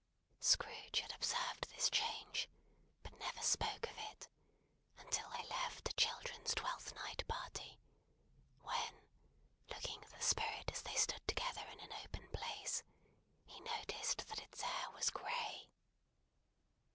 Scrooge had observed this change, but never spoke of it, until they left a children's Twelfth Night party, when, looking at the Spirit as they stood together in an open place, he noticed that its hair was grey.